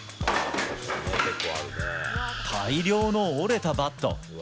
大量の折れたバット。